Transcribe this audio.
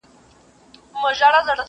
هم دا سپی بولم جدا له نورو سپیانو،